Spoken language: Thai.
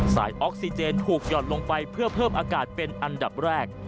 ออกซิเจนถูกหย่อนลงไปเพื่อเพิ่มอากาศเป็นอันดับแรก